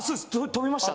飛びました？